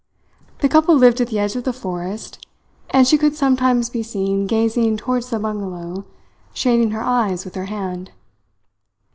The couple lived at the edge of the forest, and she could sometimes be seen gazing towards the bungalow shading her eyes with her hand.